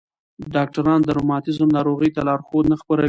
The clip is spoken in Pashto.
ډاکټران د روماتیزم ناروغۍ ته لارښود نه خپروي.